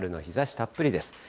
春の日ざしたっぷりです。